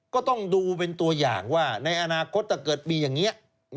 ก็ต้องดูเป็นตัวอย่างว่าในอนาคตถ้าเกิดมีอย่างนี้